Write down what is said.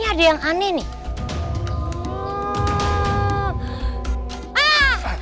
ada yang aneh nih